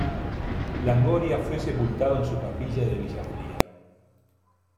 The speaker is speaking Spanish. Longoria fue sepultado en su capilla de Villafría.